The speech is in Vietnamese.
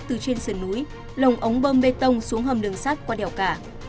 từ trên sườn núi lồng ống bơm bê tông xuống hầm đường sắt qua đèo cả